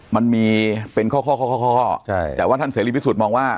มันมีเป็นข้อข้อแต่ว่าท่านเสรีพิสุทธิ์มองว่า